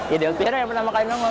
ya del piero yang pertama kali nongol